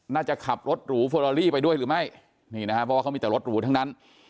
น่าจะขับรถหรูฟอลอรี่ไปด้วยหรือไม่นี่นะฮะเพราะว่าเขามีแต่รถหรูทั้งนั้น